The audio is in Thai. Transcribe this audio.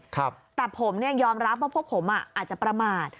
แต่ผมเนี่ยยอมรับว่าพวกผมอาจจะประมาท